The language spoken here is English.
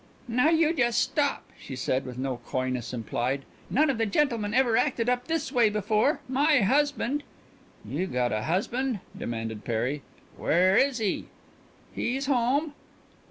"Now you just stop!" she said with no coyness implied. "None of the gentlemen ever acted up this way before. My husband " "You got a husband?" demanded Perry. "Where is he?" "He's home."